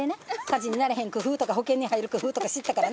火事にならへん工夫とか保険に入る工夫とか知ったからな。